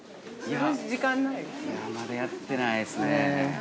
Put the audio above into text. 時間ない？◆まだやってないですね。